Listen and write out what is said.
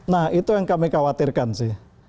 nah itu yang kami khawatirkan sih